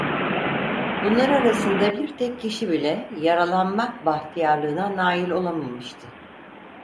Bunlar arasında bir tek kişi bile yaralanmak bahtiyarlığına nâil olamamıştı.